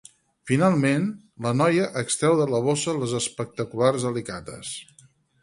Finalment, la noia extreu de la bossa les espectaculars alicates.